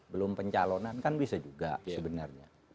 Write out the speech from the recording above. belum pencalonan kan bisa juga sebenarnya